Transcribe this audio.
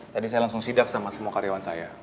tadi saya langsung sidak sama semua karyawan saya